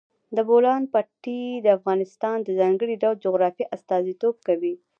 د بولان پټي د افغانستان د ځانګړي ډول جغرافیه استازیتوب کوي.